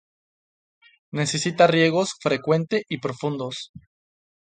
Necesita riegos frecuente y profundos.